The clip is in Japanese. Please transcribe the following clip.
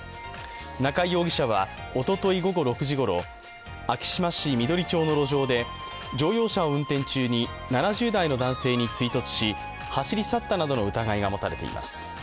中井容疑者はおととい午後６時ごろ、昭島市緑町の路上で乗用車を運転中に７０代の男性に追突し走り去ったなどの疑いが持たれています。